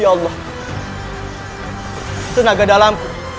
ya allah tenaga dalam